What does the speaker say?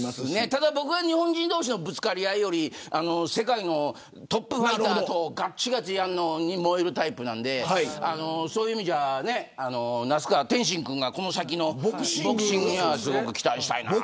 ただ、僕は日本人同士のぶつかり合いより世界のトップファイターとがっちがちでやるのに燃えるタイプなのでそういう意味では那須川天心君が、この先のボクシングには期待したいです。